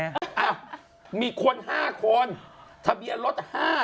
อ้าวมีคน๕คนทะเบียนรถ๕๐